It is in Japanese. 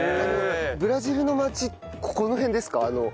ブラジルの町この辺ですか？